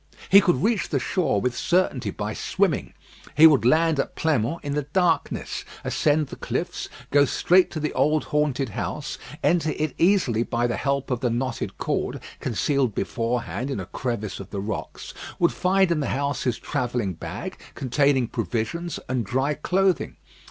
He could reach the shore with certainty by swimming. He would land at Pleinmont in the darkness; ascend the cliffs; go straight to the old haunted house; enter it easily by the help of the knotted cord, concealed beforehand in a crevice of the rocks; would find in the house his travelling bag containing provisions and dry clothing.